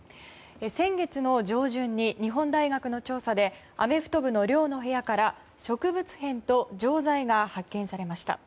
先月の上旬に日本大学の調査でアメフト部の寮の部屋から植物片と錠剤が発見されました。